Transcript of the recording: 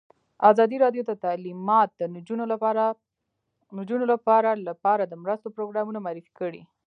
ازادي راډیو د تعلیمات د نجونو لپاره لپاره د مرستو پروګرامونه معرفي کړي.